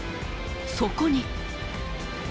そこに。